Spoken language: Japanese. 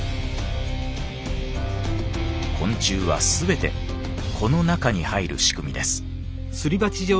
昆虫は全てこの中に入る仕組みです。